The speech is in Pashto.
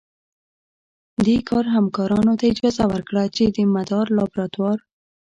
دې کار همکارانو ته اجازه ورکړه چې د مدار لابراتوار